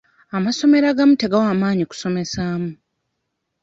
Amasomero agamu tegawa maanyi kusomesaamu.